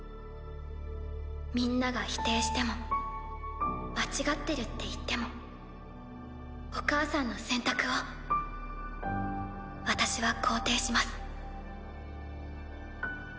みんなが否定しても間違ってるって言ってもお母さんの選択を私は肯定します。